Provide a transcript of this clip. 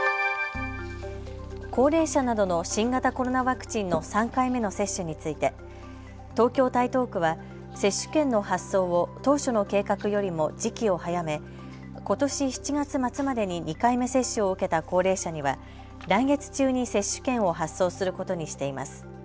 高齢者などの新型コロナワクチンの３回目の接種について東京台東区は接種券の発送を当初の計画よりも時期を早めことし７月末までに２回目接種を受けた高齢者には来月中に接種券を発送することにしています。